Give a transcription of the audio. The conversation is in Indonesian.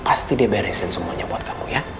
pasti dia beresin semuanya buat kamu ya